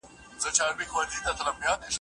دې هوښیارانو بس تړون ستا د وژلو کړی